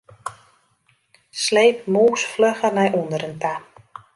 Sleep mûs flugger nei ûnderen ta.